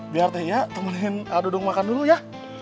biar teh iya temenin aduh dong makan dulu ya